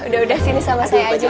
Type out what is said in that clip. udah udah sini sama saya aja